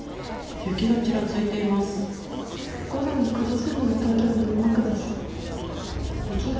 雪がちらついています。